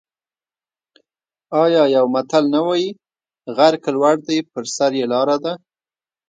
آیا یو متل نه وايي: غر که لوړ دی په سر یې لاره ده؟